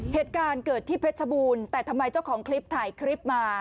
เหตุการณ์เกิดที่เพชรบูรณ์แต่ทำไมเจ้าของคลิปถ่ายคลิปมา